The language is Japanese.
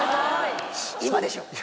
今でしょ！